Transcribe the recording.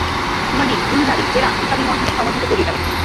শুনানি, রুল জারি, জেরা ইত্যাদির মধ্যে দিয়ে সময় দ্রুত পেরিয়ে গেল।